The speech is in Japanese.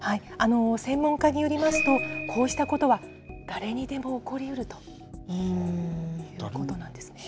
専門家によりますと、こうしたことは、誰にでも起こりうるということなんですね。